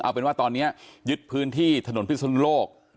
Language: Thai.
เอาเป็นว่าตอนนี้ยึดพื้นที่ถนนพิศนุโลก